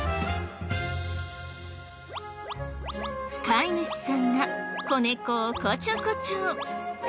飼い主さんが子猫をコチョコチョ。